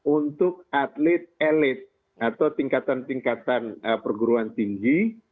untuk atlet elit atau tingkatan tingkatan perguruan tinggi